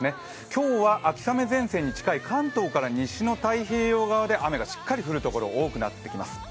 今日は秋雨前線に近い関東から西の太平洋側で雨がしっかり降る所が多くなります。